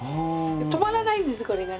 止まらないんですこれがね。